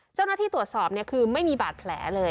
เจ้าหน้าที่ตรวจสอบคือไม่มีบาดแผลเลย